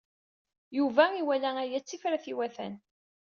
Yuba iwala aya d tifrat iwatan.